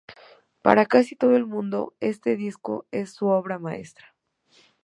Para casi todo el mundo este disco es su obra maestra.